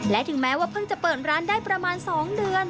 และถึงแม้ว่าเพิ่งจะเปิดร้านได้ประมาณ๒เดือน